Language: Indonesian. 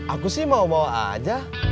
aku sih mau bawa aja